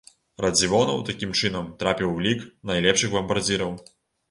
Радзівонаў такім чынам трапіў у лік найлепшых бамбардзіраў.